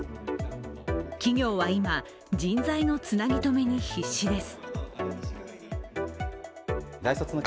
企業は今、人材のつなぎ止めに必死です。